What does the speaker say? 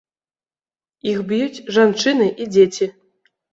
Іх б'юць жанчыны і дзеці.